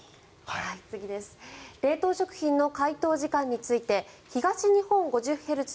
冷凍食品の解凍時間について東日本５０へルツ